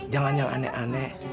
jangan yang aneh aneh